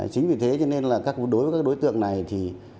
chính vì thế cho nên là đối với các đối tượng này thì